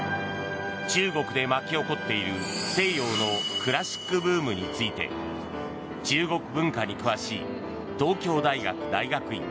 中国で巻き起こっている西洋のクラシックブームについて中国文化に詳しい東京大学大学院